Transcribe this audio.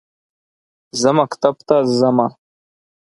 زه مکتب ته زمه